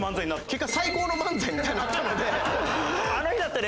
結果最高の漫才みたいになったので。